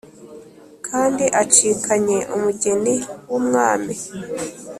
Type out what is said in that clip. kandi acikanye umugeni wumwami"